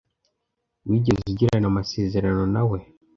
Wigeze ugirana amasezerano na we?